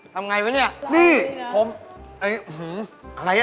ทำไงวะเนี่ย